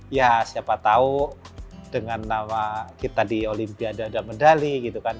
ya siapa tahu dengan nama kita di olimpiade ada medali gitu kan